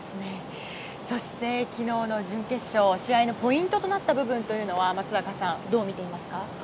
そして、昨日の準決勝試合のポイントとなった部分は松坂さん、どうみていますか？